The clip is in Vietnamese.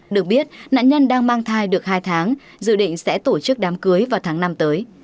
được biết nạn nhân đang mang thai được hai tháng dự định sẽ tổ chức đám cưới vào tháng năm tới